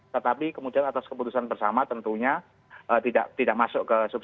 tetapi kemudian atas keputusan bersama tentunya tidak masuk